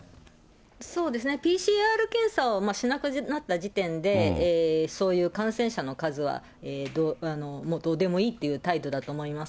そうですね、ＰＣＲ検査をしなくなった時点で、そういう感染者の数は、もうどうでもいいという態度だと思います。